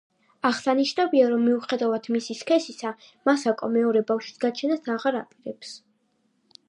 აღსანიშნავია, რომ მიუხედავად მისი სქესისა, მასაკო მეორე ბავშვის გაჩენას აღარ აპირებს.